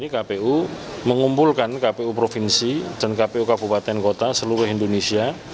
kpu mengumpulkan kpu provinsi dan kpu kabupaten kota seluruh indonesia